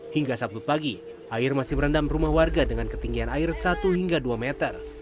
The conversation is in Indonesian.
hingga sabtu pagi air masih merendam rumah warga dengan ketinggian air satu hingga dua meter